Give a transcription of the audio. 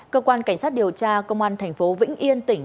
cơ quan cảnh sát điều tra công an thành phố vĩnh yên tỉnh